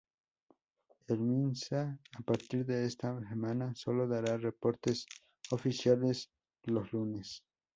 El Minsa, a partir de esta semana, solo dará reportes oficiales los lunes.